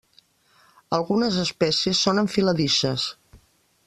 Algunes espècies són enfiladisses.